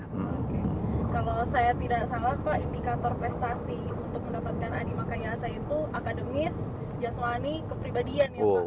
kalau saya tidak salah pak indikator prestasi untuk mendapatkan adi makayasa itu akademis jaslani kepribadian ya pak